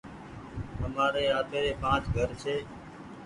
همآري آپيري پآنچ گهر ڇي۔